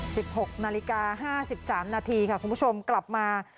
หกนาฬิกาห้าสิบสามนาทีค่ะคุณผู้ชมกลับมา